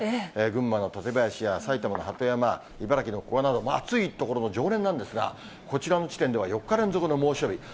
群馬の館林や埼玉の鳩山、茨城の古河など、暑い所の常連なんですが、こちらの地点では、４日連続の猛暑日。